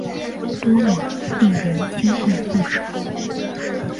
多么令人心痛不舍